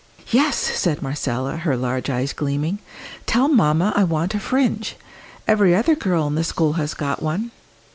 "Yes!" said Marcella, her large eyes gleaming; "tell mamma I want a 'fringe.' Every other girl in the school has got one."